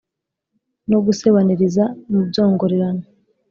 no gusebaniriza mu byongorerano,